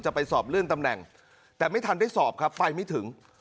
จะไปสอบเลื่อนตำแหน่งแต่ไม่ทันได้สอบครับไปไม่ถึง